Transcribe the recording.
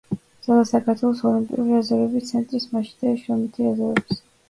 ზაზა საქართველოს ოლიმპიური რეზერვების ცენტრის, მაშინდელი შრომითი რეზერვების ცენტრის აღზრდილია.